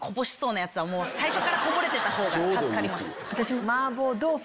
最初からこぼれてた方が助かります。